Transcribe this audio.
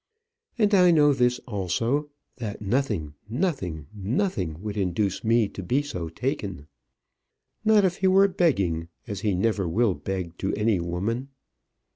And I know this also, that nothing nothing nothing would induce me to be so taken. Not if he were begging as he never will beg to any woman.